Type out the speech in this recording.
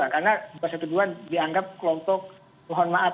karena dua ratus dua belas dianggap kelompok mohon maaf